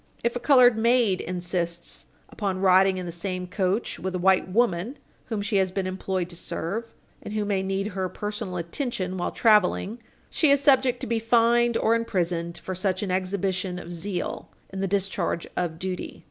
If a colored maid insists upon riding in the same coach with a white woman whom she has been employed to serve, and who may need her personal attention while traveling, she is subject to be fined or imprisoned for such an exhibition of zeal in the discharge of duty.